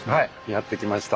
やって来ました。